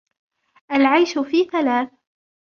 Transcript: الْعَيْشُ فِي ثَلَاثٍ